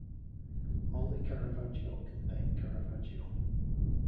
Only Caravaggio can paint Caravaggio.